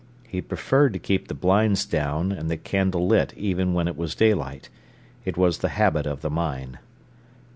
He preferred to keep the blinds down and the candle lit even when it was daylight; it was the habit of the mine.